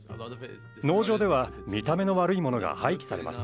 農場では見た目の悪いものが廃棄されます。